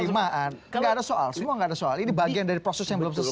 nggak ada soal semua nggak ada soal ini bagian dari proses yang belum selesai